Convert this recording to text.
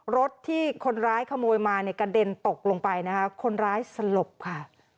รถที่คนร้ายขโมยมาเนี่ยกระเด็นตกลงไปนะคะคนร้ายสลบค่ะ